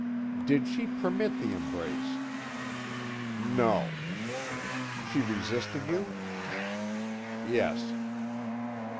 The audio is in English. "Did she permit the embrace?" "No." "She resisted you?" "Yes."